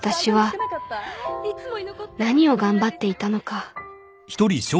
私は何を頑張っていたのか